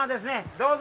どうぞ。